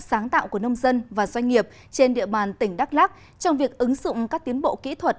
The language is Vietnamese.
sáng tạo của nông dân và doanh nghiệp trên địa bàn tỉnh đắk lắc trong việc ứng dụng các tiến bộ kỹ thuật